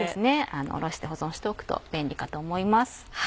おろして保存しておくと便利かと思います。